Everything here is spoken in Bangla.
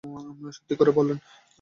সত্যি করে বলুন।